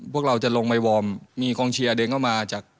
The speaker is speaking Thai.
พวกเราจะลงไปวอร์มมีกองเชียร์เดินเข้ามาจาก